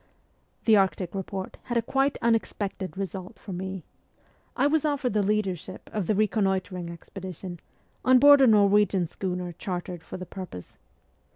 The Arctic report had a quite unexpected result for me. I was offered the leadership of the reconnoitring expedition, on board a Norwegian schooner chartered for the purpose.